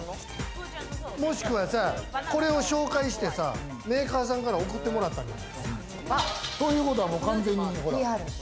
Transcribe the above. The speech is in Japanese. もしくは、これを紹介してさ、メーカーさんから送ってもらったり？ということはもう完全に。